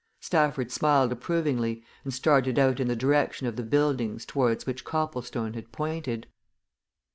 Stafford smiled approvingly and started out in the direction of the buildings towards which Copplestone had pointed.